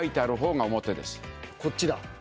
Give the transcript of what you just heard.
こっちだ。